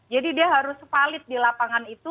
dia harus valid di lapangan itu